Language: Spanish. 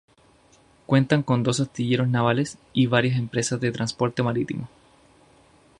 Cuenta con dos astilleros navales y varias empresas de transporte marítimo.